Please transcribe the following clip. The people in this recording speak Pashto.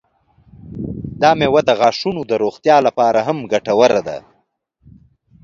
دا میوه د غاښونو د روغتیا لپاره هم ګټوره ده.